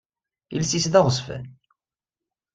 Iles-is d aɣezfan.